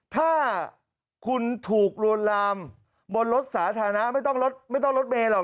ถ้าคุณถูกรวดลามบนรถสาธารณะไม่ต้องรถเบลหรอก